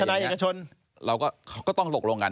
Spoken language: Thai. ทนายเอกชน